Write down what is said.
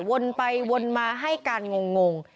วนไปวนมาให้การงง